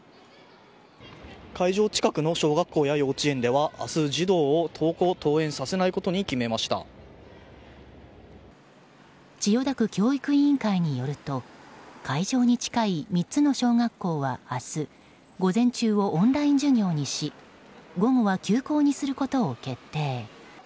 会場近くの小学校や幼稚園では明日、児童を登校・登園させないことに千代田区教育委員会によると会場に近い３つの小学校は明日午前中をオンライン授業にし午後は休校にすることを決定。